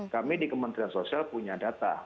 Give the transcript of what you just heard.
kami di kementerian sosial punya data